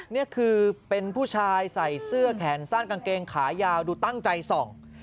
นี่คือเป็นผู้ชายใส่เสื้อแขนสั้นกางเกงขายาวดูตั้งใจส่อง